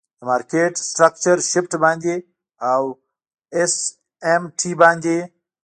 د مارکیټ سټرکچر شفټ باندی او آس آم ټی باندی.